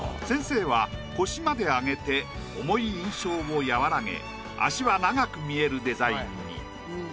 先生は腰まで上げて重い印象を和らげ脚は長く見えるデザインに。